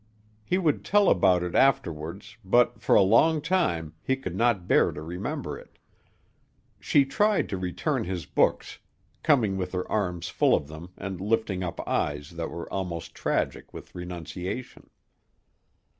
He would tell about it afterwards, but, for a long time, he could not bear to remember it. She tried to return his books, coming with her arms full of them and lifting up eyes that were almost tragic with renunciation.